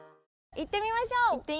行ってみましょう！